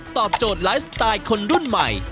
โจทย์ไลฟ์สไตล์คนรุ่นใหม่